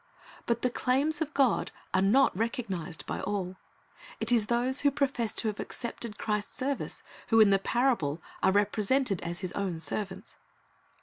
But the claims of God are not recognized by all. It is those who profess to have accepted Christ's service, who in the parable are represented as His own servants.